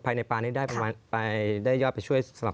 สนุนโดยอีซุสุข